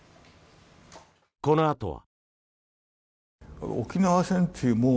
このあとは。